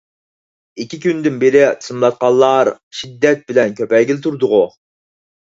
ئىككى كۈندىن بېرى تىزىملاتقانلار شىددەت بىلەن كۆپەيگىلى تۇردىغۇ.